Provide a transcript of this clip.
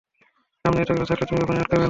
সামনে এগুতে থাকলে তুমি কখনোই আটকাবে না।